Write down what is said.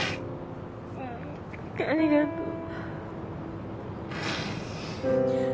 うんありがとう。